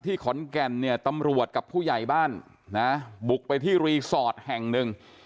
ขอนแก่นเนี่ยตำรวจกับผู้ใหญ่บ้านนะบุกไปที่รีสอร์ทแห่งหนึ่ง